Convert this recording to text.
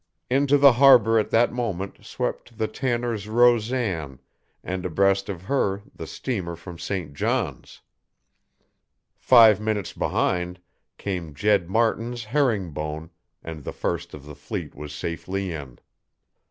Into the harbor at that moment swept the Tanners' Rosan, and abreast of her the steamer from St. John's. Five minutes behind came Jed Martin's Herring Bone, and the first of the fleet was safely in.